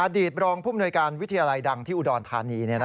อดีตรองพุ่มโดยการวิทยาลัยดังที่อุดรฐานี